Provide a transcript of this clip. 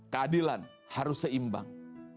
keadilan harus seimbang